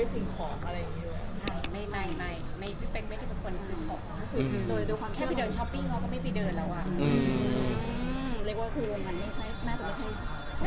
ใช่นะ